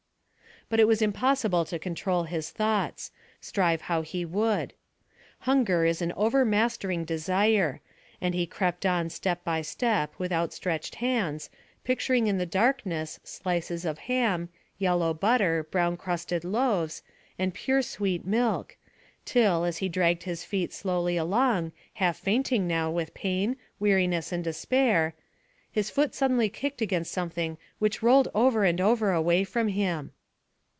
But it was impossible to control his thoughts, strive how he would. Hunger is an overmastering desire, and he crept on step by step with outstretched hands, picturing in the darkness slices of ham, yellow butter, brown crusted loaves, and pure sweet milk, till, as he dragged his feet slowly along, half fainting now with pain, weariness, and despair, his foot suddenly kicked against something which rolled over and over away from him.